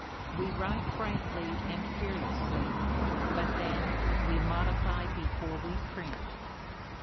"We write frankly and fearlessly, but then we 'modify' before we print"!